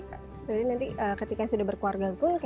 jadi nanti ketika sudah berkeluarga pun